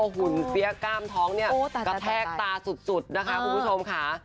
หุ่นเตี้ยกก้ามท้องกระแทกตาสุดคุณผู้ชมค่ะ